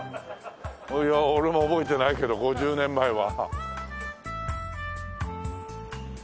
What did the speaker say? いや俺も覚えてないけど５０年前は。